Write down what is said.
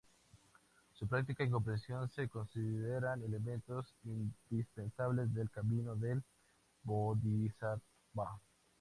Su práctica y comprensión se consideran elementos indispensables del camino del Bodhisattva.